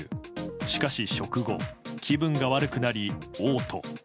しかし、食後気分が悪くなり、嘔吐。